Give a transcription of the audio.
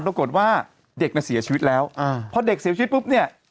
ปรากฏว่าเด็กน่ะเสียชีวิตแล้วอ่าพอเด็กเสียชีวิตปุ๊บเนี่ย